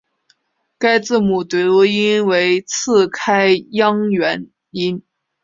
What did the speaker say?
该字母读音为次开央元音。